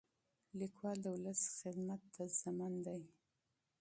لیکوال د ولس خدمت ته ژمن دی.